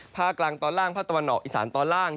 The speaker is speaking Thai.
ภาคกลางตอนล่างภาคตะวันออกอีสานตอนล่าง